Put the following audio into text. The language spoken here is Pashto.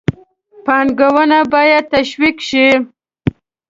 پانګونه باید تشویق شي.